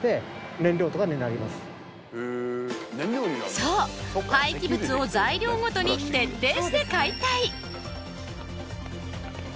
そう廃棄物を材料ごとに徹底して解体！